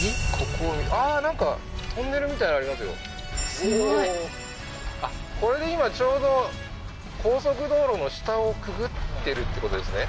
ここああーなんかトンネルみたいなのありますよおおーあっこれで今ちょうど高速道路の下をくぐってるってことですね